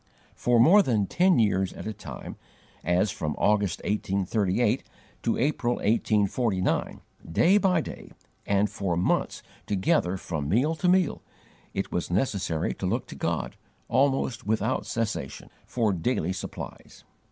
For more than ten years at a time as from August, 1838, to April, 1849, day by day, and for months together from meal to meal it was necessary to look to God, almost without cessation, for daily supplies.